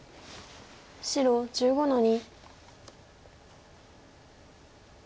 白１５の二。